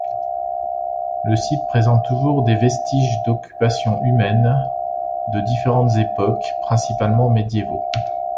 Le site présente toujours des vestiges d’occupation humaine de différentes époques, principalement médiévaux.